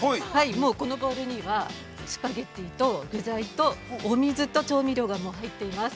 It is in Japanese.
もうこのボウルには、スパゲティと具材とお水と、調味料がもう入っています。